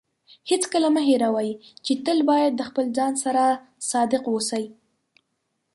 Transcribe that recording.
هیڅکله مه هېروئ چې تل باید د خپل ځان سره صادق اوسئ.